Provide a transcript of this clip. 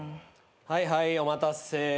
はいはいお待たせ。